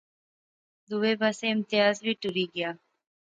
دوہے پاسے امتیاز وی ٹری گیا